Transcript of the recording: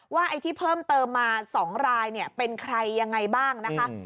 ไอ้ที่เพิ่มเติมมา๒รายเป็นใครยังไงบ้างนะคะ